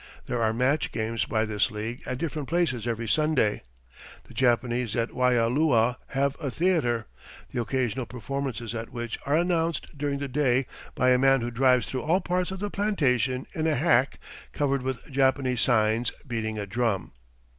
There are match games by this league at different places every Sunday. The Japanese at Waialua have a theater, the occasional performances at which are announced during the day by a man who drives through all parts of the plantation in a hack covered with Japanese signs, beating a drum.